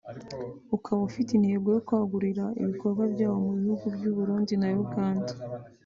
ukaba ufite intego yo kwagurira ibikorwa byawo mu bihugu by’ u Burundi na Uganda